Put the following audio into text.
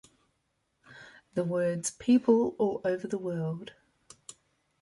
The words People all over the world!